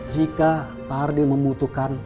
jika pak ardi membutuhkan